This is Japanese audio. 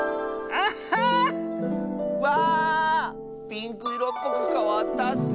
ピンクいろっぽくかわったッス！